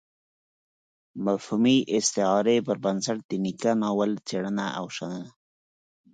مفهومي استعارې پر بنسټ د نيکه ناول څېړنه او شننه.